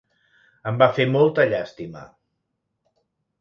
Em va fer molta llàstima.